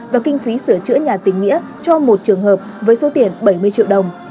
và kinh phí sửa chữa nhà tình nghĩa cho một trường hợp với số tiền bảy mươi triệu đồng